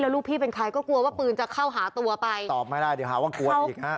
ลูกพี่เป็นใครก็กลัวว่าปืนจะเข้าหาตัวไปตอบไม่ได้เดี๋ยวหาว่ากลัวอีกฮะ